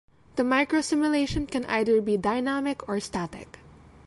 The microsimulation can either be dynamic or static.